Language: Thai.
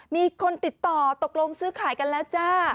มีคนติดต่อตกลงซื้อขายกันแล้วจ้า